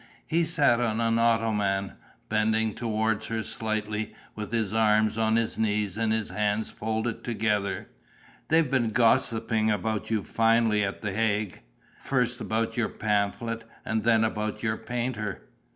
He sat on an ottoman, bending towards her slightly, with his arms on his knees and his hands folded together: "They've been gossiping about you finely at the Hague. First about your pamphlet ... and then about your painter."